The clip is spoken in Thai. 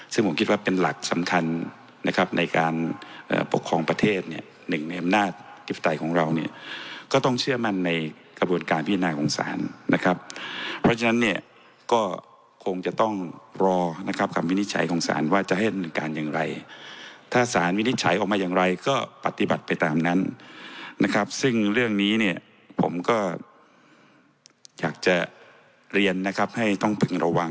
ซึ่งผมคิดว่าเป็นหลักสำคัญนะครับในการปกครองประเทศเนี่ยหนึ่งในอำนาจธิปไตยของเราเนี่ยก็ต้องเชื่อมั่นในกระบวนการพิจารณาของศาลนะครับเพราะฉะนั้นเนี่ยก็คงจะต้องรอนะครับคำวินิจฉัยของศาลว่าจะให้ดำเนินการอย่างไรถ้าสารวินิจฉัยออกมาอย่างไรก็ปฏิบัติไปตามนั้นนะครับซึ่งเรื่องนี้เนี่ยผมก็อยากจะเรียนนะครับให้ต้องพึงระวัง